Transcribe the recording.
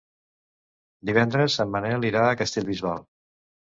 Divendres en Manel irà a Castellbisbal.